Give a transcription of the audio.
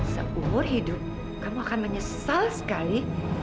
seumur hidup kamu akan menyesal sekali